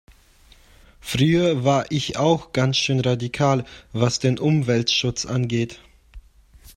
Früher war ich auch ganz schön radikal, was den Umweltschutz angeht.